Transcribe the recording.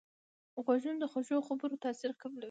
غوږونه د خوږو خبرو تاثیر قبلوي